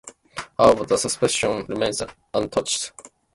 However, the suspension remains untouched.